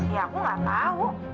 iya aku gak tau